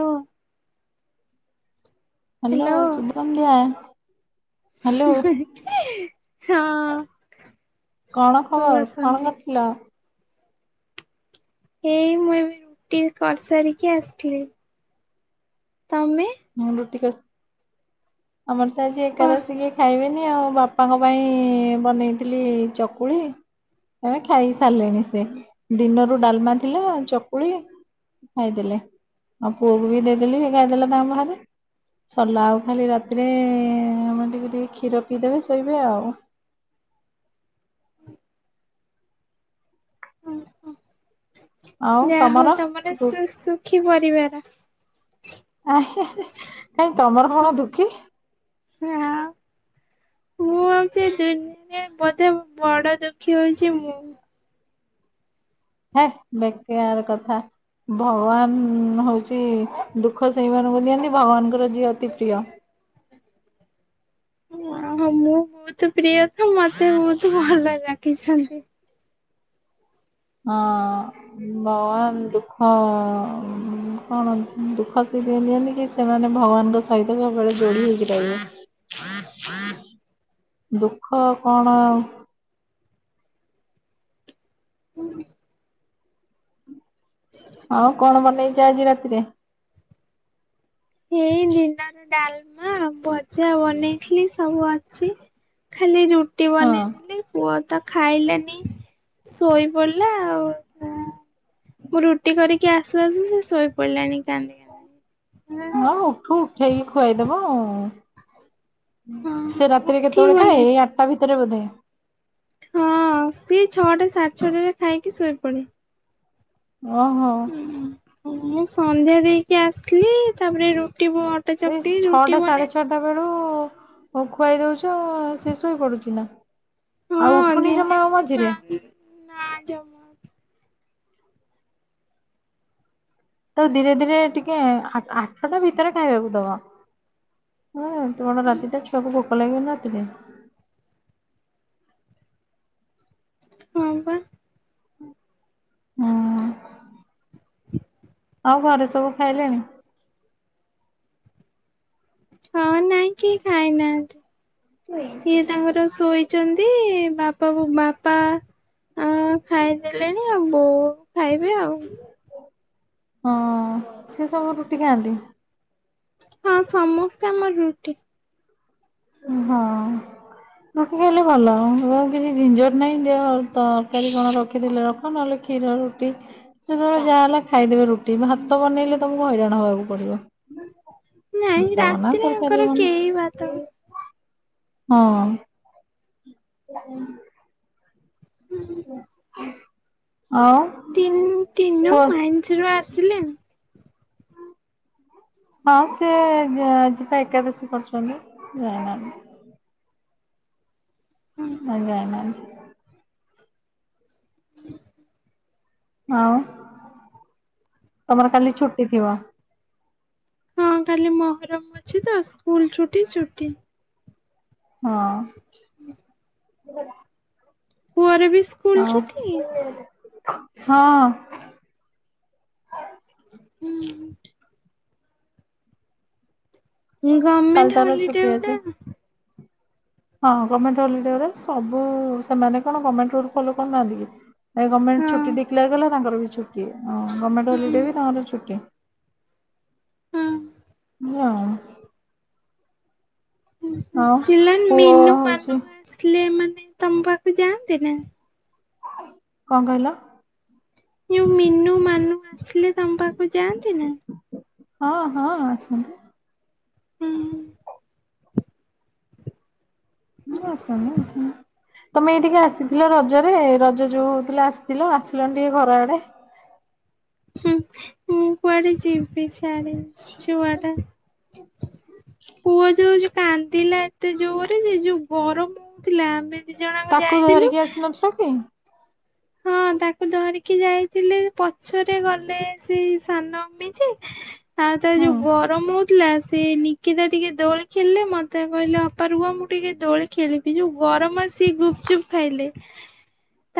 ହଁ ହ୍ୟାଲୋ ଶୁଭସନ୍ଧ୍ୟା। ହଁ କଣ ଶୁଭ ଖବର କଣ ସନ୍ଧ୍ୟା। କରିଥିଲା? ଏଇ ମୁଁ ଏବେ ରୁଟି କରିସାରିକି ଆସିଥିଲି। ତମେ? ହଁ ରୁଟି କରି ଆମର ତ ଆଜି ଏକାଦଶୀ କିଏ ଖାଇବେନି ଆଉ ବାପା ବାପାଙ୍କ ପାଇଁ ବନେଇଥିଲି ଚକୁଳି ଏମେ ଖାଇ ସାରିଲେଣି ସେ ଦିନରୁ ଡାଲମା ଥିଲା ଚକୁଳି। ଖାଇଦେଲେ ଆଉ ପୁଅକୁ ବି ଦେଇଦେଲି ସେ ଖାଇଦେଲେ ଦ ବା ସରିଲା ଆଉ ଖାଲି ରାତିରେ ଆମେ ଟିକେ ଟିକେ କ୍ଷୀର ପିଇଦେବେ ଶୋଇବେ ଆଉ। କଣ? ଯାହା ହଉ ତମର ସୁଖୀ ପରିବାର। ଆ କାଇଁ ତମର କଣ ଦୁଃଖୀ। ହଁ ମୁଁ ହଉଛି ଦୁନିଆରେ ବୋଧେ ବଡ ଦୁଃଖୀ ହଉଛି ମୁଁ। ହେଁ ବେକାର କଥା। ଭଗବାନ ହଉଛି ଦୁଃଖ ସେଇମାନଙ୍କୁ ଦିଅନ୍ତି ଭଗବାନଙ୍କର ଯିଏ ଅତି ପ୍ରିୟ। ଓହୋ ମୁଁ ବହୁତ ପ୍ରିୟ ତ ମତେ ବହୁତ ଭଲ ଲାଗିଛନ୍ତି ହଁ ଭଗବାନ ଦୁଃଖ କଣ ଦୁଃଖ ଶିରି ନିଅନ୍ତି କି ସେମାନେ ଭଗବାନଙ୍କ ସହିତ ସବୁବେଳେ ଯୋଡି ହେଇକି ରହିବେ ଦୁଃଖ କଣ ହୁଁ ହଉ କଣ ବନେଇଛ ଆଜି ରାତିରେ ଏଇ ଦିନ ର ଡାଲମା ଭଜା ବନେଇଥିଲି ସବୁ ଅଛି ଖାଲି ରୁଟି ହଁ ବନେଇଦେଲି ପୁଅ ତ ଖାଇଲାନି ଶୋଇ ପଡ଼ିଲା ଆଉ ମୁଁ ରୁଟି କରିକି ଆସୁ ଆସୁ ସେ ଶୋଇ ପଡିଲାଣି କାନ୍ଦି କାନ୍ଦି। ହଁ ଉଠୁ ଉଠେଇକି ଖୁଆଇଦବ ଆଉ ସେ ହଁ ରାତିରେ କେତେବେଳେ ଖାଏ ଉଠିବନି ଏଇ ଆଠଟା ଭିତରେ ବୋଧେ ହଁ ସିଏ ଛଅଟା ସାଢ଼େ ଛଅଟା ରେ ଖାଇକି ଶୋଇପଡେ ଓହୋ ମୁଁ ସନ୍ଧ୍ୟା ଦେଇକି ଆସିଥିଲି ତାପରେ ରୁଟି ଏଇ ଚକଟି ରୁଟି ଛଅଟା ବନେଇ ସାଢେ ଛଅଟା ବେଳୁ ଖୁଆଇ ଦଉଛ ଶୋଇ ପଡୁଛି ନା ଆଉ ହଁ ଉଠୁନି ଦିନେ ଜମା ଆଉ ଦିନେ ପା ମଝିରେ। ନା ଜମା ତାକୁ ଧୀରେ ଧୀରେ ଟିକେ ଆଠଟା ଭିତରେ ଖାଇବାକୁ ଦବ। ହଁ ଏତେ ବଡ ରାତିଟା ଛୁଆକୁ ଭୋକ ଲାଗିବନି ରାତିରେ। ହଁ ପା। ହୁଁ। ଆଉ ଘରେ ସବୁ ଖାଇଲେଣି, ହଁ ନାଇଁ କେହି ଖାଇନାହାନ୍ତି। ଇଏ ତାଙ୍କର ଶୋଇ ଛନ୍ତି ବାପା ବୋ ବାପା ଆ ଖାଇଦେଲେଣି ଆଉ ବୋଉ ଖାଇବେ ଆଉ ହଁ ସିଏ ସବୁ ରୁଟି ଖାଆନ୍ତି, ହଁ ସମସ୍ତେ ଆମର ରୁଟି। ହଁ। ରୁଟି ଖାଇଲେ ଭଲ କିଛି ଝିିଂଝଟ ନାହିଁ ଦିଅ ତରକାରୀ କଣ ରଖିଦେଲେ ହଁ ନହେଲେ କ୍ଷୀର ରୁଟି, ଯେତେବେଳେ ଯାହା ହେଲା ଖାଇଦେବେ ରୁଟି ଭାତ ବନେଇଲେ ତମକୁ ହଇରାଣ ହବାକୁ ପଡିବ। ନାଇଁ ଭାତ ବନା ରାତିରେ ତରକାରୀ ଆଙ୍କର କେହି ବନା ଭାତ ହଁ। [inaudible] ହୁଁ। ଆଉ- ଟିନ୍ ଟିନୁ କୁହ ମାଇନ୍ସ ରୁ ଆସିଲେଣି ହଁ ସେ ଆଜିି ପା ଏକାଦଶୀ କରୁଛନ୍ତି, ଯାଇନାହାନ୍ତି। ହଁ। ଆଜି ଯାଇନାହାନ୍ତି [inaudible] ଆଉ, ତମର କାଲି ଛୁଟି ଥିବ! ହଁ କାଲି ମହରମ ଅଛି ତ, ସ୍କୁଲ ଛୁଟି ଛୁଟି। ହଁ। ପୁଅର ବି ସ୍କୁଲ ଆଉ ଛୁଟି, ହଁ। ହୁଁ। କାଲି ଗମେଣ୍ଟ ତାର ହଲିଡେ ଛୁଟି ଅଛି ଗୋଟେ [inaudible] ହଁ, ଗର୍ମେଣ୍ଟ ହଲିଡେ ରେ ସବୁ ସେମାନେ କଣ ଗର୍ମେଣ୍ଟ ରୁଲ ଫଲୋ କରୁନାହାନ୍ତି କି? ଏଇ ହଁ ଗର୍ମେଣ୍ଟ ଛୁଟି ଡିକ୍ଲାର୍ କଲା, ତାଙ୍କର ବି ଛୁଟି। ଗର୍ମେଣ୍ଟ ହୁଁ ହଲିଡେ ବି ତାଙ୍କର ଛୁଟି। ହୁଁ। [inaudible] ଆଉ ପୁଅ ହଉଛି [inaudible] କଣ କହିଲ? ଯୋଉ ମିନୁ ମାନୁ ଆସିଲେ, ତମ ପାଖକୁ ଯାଆନ୍ତି ନା? ହଁ ହଁ, ଆସନ୍ତି। ହୁଁ। [unintelligible] ତମେ ଏଇଠିକି ଆସିଥିଲ ରଜରେ? ରଜ ଯୋଉ ହଉଥିଲା ଆସିଥିଲ, ଆସିଲନି ଟିକେ ଘର ଆଡେ? ହୁଁ, ମୁଁ କୁଆଡ ଯିବି, ସେଆଡେ ଛୁଆଟା? ପୁଅ ଯୋଉ କାନ୍ଦିଲା, ଏତେ ଜୋରରେ ଯେ, ଯୋଉ ଗରମ ହଉଥିଲା ଆମେ ଦି ଜଣଯାକ ତାକୁ ଯାଇଥିଲୁ। [unintelligible] ହଁ, ତାକୁ ଧରିକି ଯାଇଥିଲେ। ପଛରେ ଗଲେ ସେ ସାନ ଅମି ଯେ ଆ ତା ହୁଁ ଯୋଉ ଗରମ ହ ଉଠିଲା। ସେ ନିକେତା ଟିକେ ଦୋଳି ଖେଳିଲେ। ମତେ କହିଲେ, ଅପା ରୁହ ମୁଁ ଟିକେ ଦୋଳି ଖେଳିବି। ଯୋଉ ଗରମ ସେ ସେ ଗୁପଚୁପ ଖାଇଲେ।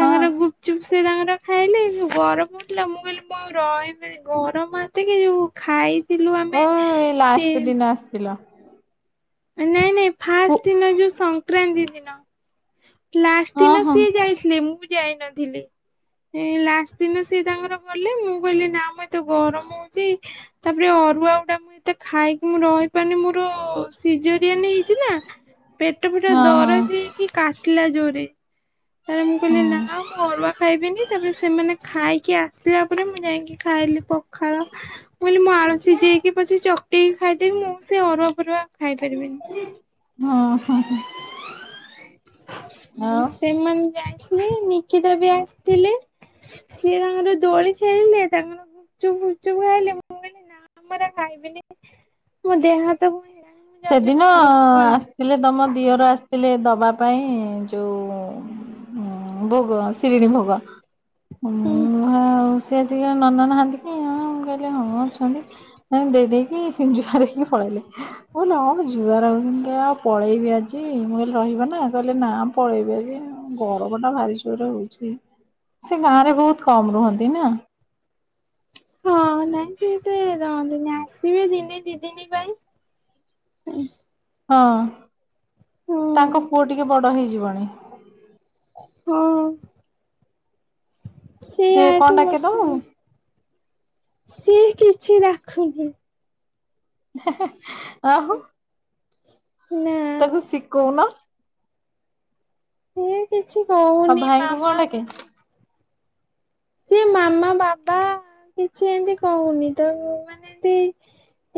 ହଁ। ଗୁପଚୁପ ସେ ତାଙ୍କର ଖାଇଲି। ଯୋଉ ଗରମ ହଉଥିଲା! ମୁଁ କହିଲି, ମୁଁ ଆଉ ରହିବି, ଗରମ ହାତ କି ଯୋଉ ଖାଇଥିଲୁ ଓ ଆମେ ଏଇ ତିଇନ୍ [unintelligible] ନାଇଁ ନାଇଁ, ହଁ ଫାଷ୍ଟ୍ ଦିନ ଯୋଉଁ ସଂକ୍ରାନ୍ତି ଦିନ। ଲାଷ୍ଟ ହଁ ଦିନ ସିଏ ହଁ ଯାଇଥିଲେ, ମୁଁ ଯାଇନଥିଲି। ଏ ଲାଷ୍ଟ ଦିନ ସିଏ ତାଙ୍କର ଗଲେ। ମୁଁ କହିଲି ନା ମତେ ଗରମ ହଉଛି। ତାପରେ ଅରୁଆ ଗୁଡା ମୁଁ ଏତେ ଖାଇକି ମୁଁ ରହିପାରୁନି ମୋର ସିଜୋରିଆନ ହେଇଛି ନା, ପେଟ ଫେଟ ହଁ ଦରଜ ହେଇକି କାଟିଲା ଜୋରେ। ତା ମୁଁ ହୁଁ କହିଲି ନା, ମୁଁ ଅରୁଆ ଖାଇବିନି। ତାପରେ ସେମାନେ ଖାଇକି ଆସିବେ। [unintelligible] ପରେ ମୁଁ ଯାଇକି ଖାଇଲି ପଖାଳ। କହିଲି, ମୁଁ ଆଳ ସିଝେଇକି ପଛେ ଚ [inaudible] ଖାଇଦେବି ମୁଁ। ସେ ଅରୁଆ ପରୁଆ ଖାଇପାରିବିନି। ହଁ ହଁ ହଁ। [inaudible] ଆଉ ସେମାନେ ଯାଇଥିଲେ, ନିକିତା ବି ଆସିଥିଲେ। ସିଏ ତାଙ୍କର ଦୋଳି ଖେଳିଲେ, ତା [inaudible] [inaudible] ସେଦିନ ଥିଲେ, ତମ ଦିଅର ଆସିଥିଲେ ଦବା ପାଇଁ, ଯୋଉ ହଁ, ଭୋଗ ଶିରିଣୀ ଭୋଗ [inaudible] ହୁଁ। ନନା ନାହାନ୍ତି। [unintelligible] ହଉ ରହ ମୁଁ। ଯୁହାର ହହୁଛନ୍ତି, ଆଉ ପଳେଇବି ଆଜି। ମୁଁ କହିଲି, ରହିବ ନା କହିଲେ ନା? ପଳେଇବି ଆଜି। ଗରମ ଟା ଭାରି ଜୋରରେ ହଉଛି। ସେ ଗାଁ ରେ ବହୁତ କମ୍ ରୁହନ୍ତି ନା। ହଁ ନାଇଁ, ସେତେ ରହନ୍ତିନି। ଆସିବେ, ଦିନେ ଦି ଦିନ ପାଇଁ। ହଁ, ତାଙ୍କ ହଁ। ପୁଅ ଟିକେ ବଡ ହେଇଜିବନୀ। ହଁ, ସେ କଣ ଆଠୁ ଡାକେ ବର୍ଷ ତମକୁ ସିଏ କିଛି ରାଖୁନି। ହେଁ ହେଁ ଆହୁ। ନାଁ। ତାକୁ ଶିକଉ ନ। ସିଏ କିଛି ଆଉ କହୁନି ଭାଇଙ୍କୁ କଣ ମାମା- - ଡାକେ? ସିଏ ମାମା ବାବା କିଛି ଏମିତି କହୁନି ତ ମାନେ ଏତି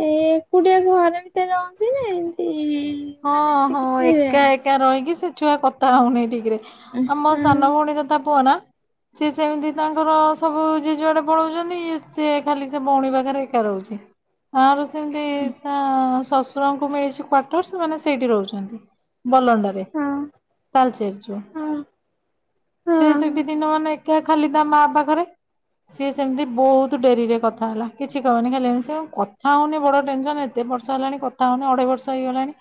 ଏଇ ଏକୁଟିଆ ଘରେ ଭିତରେ ରହୁଚି ଏମତି- - ହଁ ହଁ ଏକା। ଏକା ରହିକି ସେ ଛୁଆ କଥା ହଉନି ଟିକରେ ଆମ ସାନ ହଁ ଭଉଣୀର ତା ପୁଅ ନା- - ସି ସେମିତି ତାଙ୍କର ସବୁ ଜେଜୁଆଡେ ପଳଉଚନ୍ତି। ସେ ଖାଲି ସେ ଭଉଣୀ ପାଖରେ ଏକା ରହୁଚି। ତାର ସେମିତି ତା ଶଶୁରଙ୍କୁ ମିଳିଛି କ୍ଵାର୍ଟର ସେମାନେ ସେଇଠି ରହୁଚନ୍ତି। ବଲଣ୍ଡରେ ତାଲଚେରଚୁ ହଁ ସେ ହଁ ସେଠି ଦିନ ମାନେ କେ ଖାଲି ତା ମା ପାଖରେ। ସିଏ ସେମିତି ବହୁତ ଡେରିରେ କଥା ହେଲା। କିଛି କହୁନି ଖାଲିି ସେ କଥା ହେଉନି ବଡ଼ ଟେନସନ୍ - - ଏତେର୍ଷ ହେଲାଣି କଥା ହଉନ ଅଢେଇବର୍ଷ। ହେଇଗଲାଣି।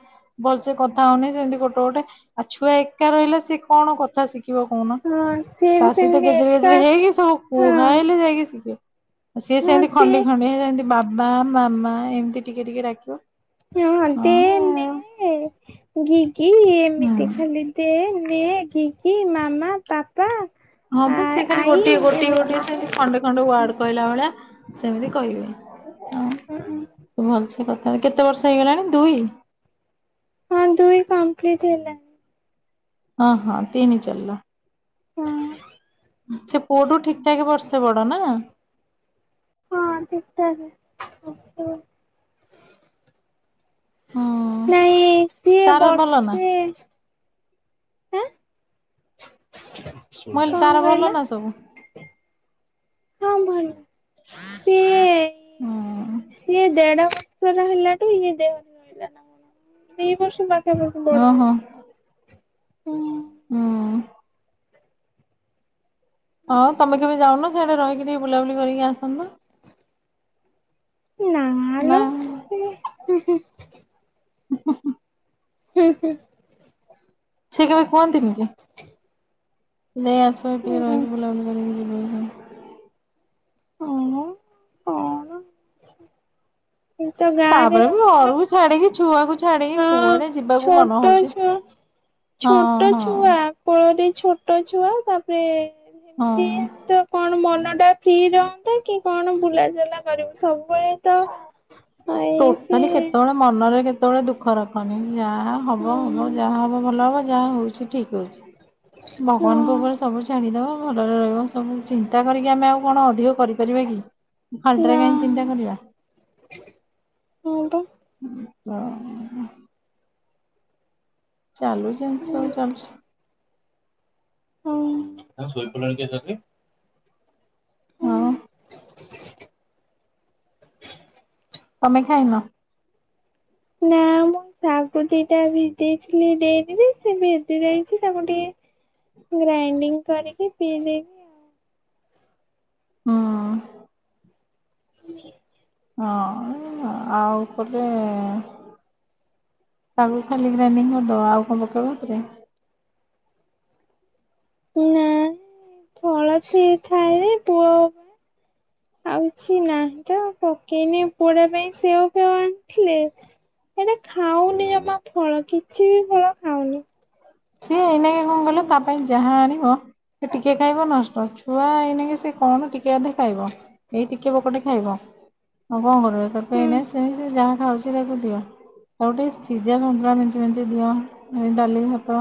ଭଲସେ କଥା ହଉନି ସେମିତି ଗୋଟେ ଗୋଟେ ଆଉ ଛୁଆ ଏକା ରହିଲେ ସେ କଣ କ ଥା ଶିଖିବ କହୁନ। ହଁ ସିଏ ତା ବି ସହିତ ସେମିତି ଗେଜର ଏକା ଗେଜେରେ ହେଇକି ସବୁ କୁହା ହଁ ହେଲେ ଯାଇକି ଶିଖିବ। ସିଏ ହଁ ସେମିତି ଖଣ୍ଡି ସିଏ ଖଣ୍ଡି ସେମିତି ବାବା ମାମା ଏମିତି ଟିକେ ଟିକେ ଡକିବ। ହଁ ଦେ ନେ। ଗିଗି ଏମିତି ହୁଁ। ଖାଲି ଦେ ନେ ଗିଗି ମାମା ପାପା- - ହଁ ବା ସେଏ ଖାଲି ଗୋଟଏ ଗୋଟଏ ଗୋଟଏ ଖାଲି ଖଣ୍ଡେ ଖଣ୍ଡେ ୱାର୍ଡ କହିଲା ଭଳିଆ ସେମିତି କହିବି ହଉ। ହୁଁ ହୁଁ। ତୁ ଭଲସେ କଥା କେତେ ବର୍ଷ ହେଇଗଲାଣି ଦୁଇ। ହଁ ଦୁଇ କମ୍ପ୍ଲିଟ ହେଲା। ହଁ ହଁ ତିନି ଚଲିଲା। ହୁଁ ସେ ପୁଅଠୁ ଠିକ୍ ଠାକ୍ ବର୍ଷେ ବଡ ନା? ହଁ ଠିକ୍ ଠାକ୍। ଆସିବ। ହୁଁ ନାଇଁ ସିଏ ତାର ଭଲ ନା ବର୍ଷେ - - ହେଁ, କଁ ମୁଁ କହିଲି ତାର ଭଲ କହିଲ? ନା ସବୁ? ହଁ ଭାଇ ସିଏ ହୁଁ ସିଏ ଦେଢ ବର୍ଷ ର ହେଲାଟି ଇଏ ଦେହ ଛୁଇଲା ନା କଣ? ସେଇ ବର୍ଷ ବା କେବେ ଠୁ ବଡ ଓହୋ ହୁଁ। ହୁଁ ହଁ ତମେ କେବେ ଯାଉନ ସେଇଟା ରହିକି ଟିକେ ବୁଲାବୁଲି କରିକି ଆସନ୍ତ। ନାଲୋ ସେ ହେଁ ହେଁ ହୁଁ ହୁଁ ସେ କେବେ କୁହନ୍ତି ନି କି? ନେଇ ଆସ ହୁଁ ଟିକେ ହୁଁ ରହିିକି ବୁଲାବୁଲି କରିକି ଯିବ। ହଉନ କଣ? ଏଇ ତ ଗାଁରେ ତାପରେ ବି ରହିଲ ଅରୁକୁ ଛାଡିକି ଛୁଆକୁ ଛାଡିକି କୁଆଡେ ହଁ ଯିବାକୁ ମନ ଛୋଟ ହଉଚି ଛୁଆ ହଁ ଛୋଟ ହଁ। ଛୁଆ କୋଳରେ ଛୋଟ ଛୁଆ ତାପରେ ହଁ। ଏମିତିମ କଣ ମନଟା ଫ୍ରି ରହୁନ୍ତା କି କଣ ବୁଲାଚୁଲା କରିବୁ ସବୁବେଳେ। ତ ଏଇ ସେ ଟୋଟାଲି କେତୋବୋଳେ ମନରେ କେତୋବୋଳେ ଦୁଃ ଦୁଃଖରଖନି ଯାହା ହବ ହଁ ହବ ଯାହା ହବ ଭଲ ହବ ଯାହା ହେଉଚି। ଠିକ୍ ହୋଉଚି ହଁ ଭଗବାନଙ୍କ ଉପରେ ସବୁ ଛାଡିଦବା। ଭଲରେ ରହିବ ସବୁ ଚିନ୍ତା କରିକି ଆମେ ଆଉ କଣ ଅଧିକ କରିପାରିବା କି? ଖାଲିଟାରେ ନା କାହିଁକି ଚିନ୍ତା କରିବା। ହଁ ତ। ଓହ। ଚାଲୁ ଯେମିତି ହୁଁ ସବୁ ଚାଲୁଛି। ହୁଁ ଶୋଇପଡିଲଣି କି ଏତେ ଜଲଦି। ହଁ‌। [unintelligible] ତମେ ଖାଇନ? ନା ମୁଁ ଶାଗଦୁଇଟା ଭିଜେଇ ଥିଲି ଡେରିରେ ସିଏ ଭିଜି ଯାଇଚି ତାକୁ ଟିକେ ଗ୍ରାଇଣ୍ଡିଙ୍ଗି କରିକି ପିଇ ଦେଇଚି। ହଁ। ହଁ ଆଉ କୋଟେ ଶାଗୁ ଖାଲି ଗାଇଣ୍ଡିଙ୍ଗି କରିଦବ ଆଉ କଣ ପକେଇବ ହେଥିରେ? ନାଁ ଫଳ ସିଏ ଖାଏଯେ ପୁଅ। ଆଉକିଛି ନାହିଁ ତ ପକେଇନେହିଁ ପୁଅଟା ପାଇଁ ସେଓ ଫେଓ ଆଣିଥିଲେେ। ହେଟା ଖାଉନି ଜମା ଫଳ କିଛିବି ଫଳ ଖାଉନି। ସିଏ ଏନାକେ କଣ କହିଲ ତା ହୁଁ ପାଇଁ ଯାହା ଆଣିବ। ସେ ଟିକେ ଖାଇବ ନଷ୍ଟ ଛୁଆ ଏଇନା ସିଏ କଣ ଟିକିଏ ଅଧେ ଖାଇବ ଏଇ ଟି ଟିକିଏ ବକଟେ ଖାଇବ ଆଉ କଣ କରିବ ସେଇଥିପାଇଁ ଏଇନାକେ ସେମିତି ଯାହା ଖାଉଚି। ଏଗୁଡ଼ାକୁ ଦିଅ ଆଉଟିକେ ସିଜାସନ୍ତୁଳା ମେଞ୍ଚେ ମେଞ୍ଚେ ଦିଅ ଏଡାଲି ଭାତ। ତ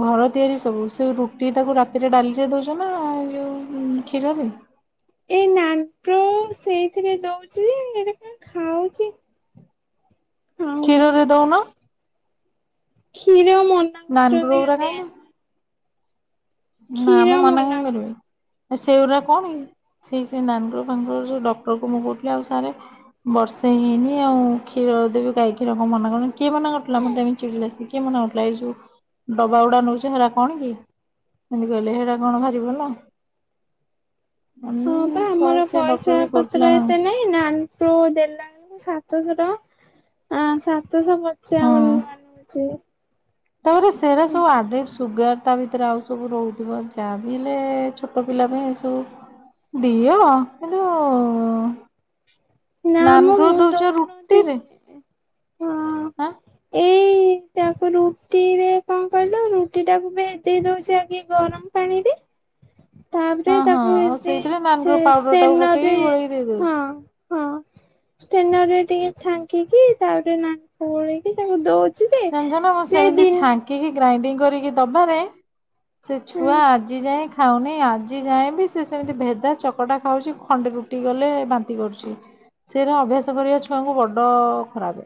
ଘର ତିଆରି ସବୁ ସେ ରୁଟି ତାକୁ ରାତିରେ ଡାଲିରେ ଦୋଉଚ ନା ଏଯୋଉ ହୁଁ କ୍ଷୀର ରେ। ଏଇ ନାତ ସେଇଥିରେ ଦୋଉଚି ଯେ ଏଟା କଣ ଖାଉଚି। କ୍ଷୀରରେ ଦୋଉନ। ଖିର ମନ। ନାନେଵ୍ରେ ଗୁରା ଖାଉନେହିଁ। ନା ମୁଁ ମନା କାହିଁକି କରିବି। ସେଉରା ଆଉ କଣକି ସେଇ ସେ ନାନେବ୍ରେ ବାଡ଼ରେ ଯୋ ଡକ୍ଟର କୁ ମୁଁ କହୁଥିଲି ଆଉ ସାରେ ବର୍ଷେ ହେଇନେହିଁ ଆଉ କ୍ଷୀର ଦେବି ଗାଈ କ୍ଷୀର କଣ ମନା କରୁଚନ୍ତି କିଏ ମନା କରିୁଥିଲା ମତେ ଏମିତି ଚିଡ଼ିଲା ଶିଏ। କିଏ ମନାକରୁଥୁଲାଏଯୋଉ ଡବା ଗୁଡା ନୋଉଛ ହେରା କଣ କି? ଏମିତି କହିଲେ ହେରା କଣ ବାହାରିବ ହେଲା। ହଁ ପା ଆମର ସେ ଡକ୍ଟର ପଇସା ବି କହୁଥିଲା ପତ୍ର ହଁ। ଏତେ ନାହିଁ ନାନ୍। ପ୍ରୃଦେଲାନେହିଁ ସାତଶହ ଟଙ୍କା ଆ ସାତ୍ ସତଶ ପଞ୍ଚାଵନ ଟଙ୍କା ନୋଉଚି। ତାପରେ ସେରା ସବୁ ଆଡେଡେ ସୁଗାର। ତା ଭିତରେ ଆଉ ସବୁ ରହୁଥିବ ଯାହା ବି ହେଲେ ଛୋଟ ପିଲା ପାଇଁ ଏ ସବୁ। ଦିଅ କିନ୍ତୁ ନା ମ ନାନୋଗ୍ରୋ ମୁଁ ଦୋଉଚ ରୁଟିରେ। ଦଉନଥିଲି। ହଁ। ହଁ। ଏଇ ତାକୁ ରୁଟି ରେ କଣ କ ରୁ ରୁଟି ଟାକୁ ବି ଦେଇେଇ ଦଉଛି ଆଗ ଗରମ ପାଣି ରେ। ହଁ ତାପରେ ହଁ ତାକୁ ଆଉ ଏବେ ସେଇଥିରେ ନାନଗ୍ରୋ ସେ ପାଉଡର ଟାକୁ ପକେଇକି ସ୍ପେନରେ ଗୋଳେଇକି ଦେଇ ଦଉଛି। ହଁ। ହଁ ଷ୍ଟେନରେ ଟିକେ ଛାଙ୍କିକି ତାପରେ [unintelligible] ଗୋଳେଇକ ତାଙ୍କୁ ଦଉ ଜାଣିଛନା ମୁଁ ସେମିତି ଛାଙ୍କିକି ଗ୍ରାଇଣ୍ଡିଙ୍ଗ କରିକି ଦବାରେ ସେ ହଁ ଛୁଆ ଆଜି ଯାଏ ଖାଉନି ଆଜି ଯାଏଁ ବି ସେ ସେମିତି ଭେଦା ଚକଟା ଖାଉଛି ଖଣ୍ଡେ ରୁଟି ଗଲେ ବାନ୍ତି କରୁଛି। ସେଇରା ଅଭ୍ୟାସ କରିବା ଛୁଆଙ୍କୁ ବଡ ଖରାପେ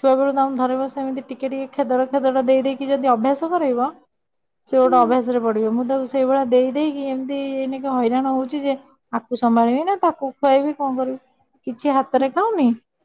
ଛୁଆ ବେଳୁ ତାଙ୍କୁ ଧରିବ ସେମିତି ଟିକେ ଟିକେ ଖେଦଡ ଖେଦଡ ଦେଇ ଦେଇକି ଯଦି ଅଭ୍ୟାସ କରାଇବ ସେ ଗୋଟେ ହଁ ଅଭ୍ୟାସ ରେ ପଡିବ ମୁଁ ତାକୁୁ ସେଇଭଳା ଦେଇ ଦେଇେଇକି ଏମିତି ଏଇନେକେ ହଇରାଣ ହଉଛି ଯେ ଆକୁ ସମ୍ଭାଳିବି ନା ତାକୁ ଖୁଆଇବି କଣ କରିବି କିଛି ହାତରେ ଖାଉନି।